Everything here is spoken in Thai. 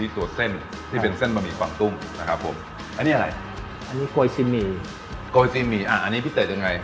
ที่เป็นเส้นบะหมี่กว่างตุ้งนะครับผมอันนี้อะไรอันนี้โกยซิมีโกยซิมีอ่ะอันนี้พี่เต๋จยังไง